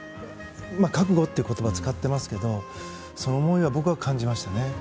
覚悟という言葉を使ってますけどその思いを僕は感じましたね。